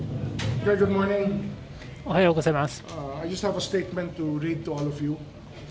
おはようございます。